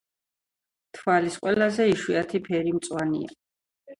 თვალის ყველაზე იშვიათი ფერი მწვანეა.